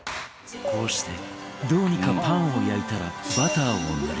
こうしてどうにかパンを焼いたらバターを塗り